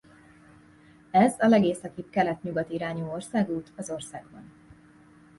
Ez a legészakibb kelet-nyugat irányú országút az országban.